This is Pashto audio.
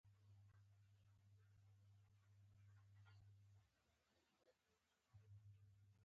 لویه ستونزه داده چې ثروت په نامساوي ویشل شوی.